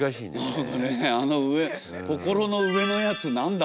何かねあの上心の上のやつ何だ？